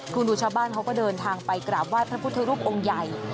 คุณดูชาวบ้านเขาก็เดินทางไปกราบไห้พระพุทธรูปองค์ใหญ่